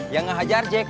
yang ngehajar jack